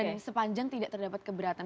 dan sepanjang tidak terdapat keberatan